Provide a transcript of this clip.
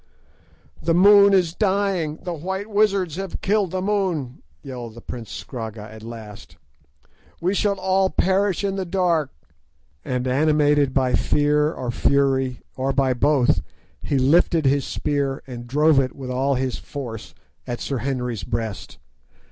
"The moon is dying—the white wizards have killed the moon," yelled the prince Scragga at last. "We shall all perish in the dark," and animated by fear or fury, or by both, he lifted his spear and drove it with all his force at Sir Henry's breast.